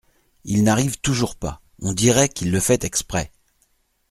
Il n’arrive toujours pas ! on dirait qu’il le fait exprès !